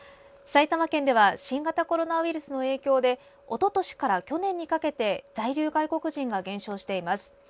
埼玉県では新型コロナウイルスの影響でおととしから去年にかけて在留外国人が減少しています。